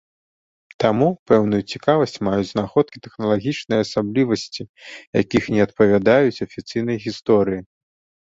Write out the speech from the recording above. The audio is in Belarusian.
Таму, пэўную цікавасць маюць знаходкі, тэхналагічныя асаблівасці якіх не адпавядаюць афіцыйнай гісторыі.